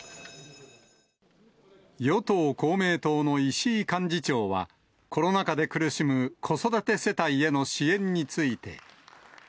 与党・公明党の石井幹事長は、コロナ禍で苦しむ子育て世帯への支援について。